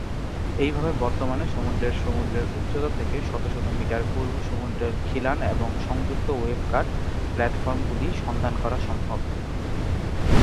এইভাবে, বর্তমানে সমুদ্রের সমুদ্রের উচ্চতা থেকে শত শত মিটার পূর্ব সমুদ্রের খিলান এবং সংযুক্ত ওয়েভ-কাট প্ল্যাটফর্মগুলি সন্ধান করা সম্ভব।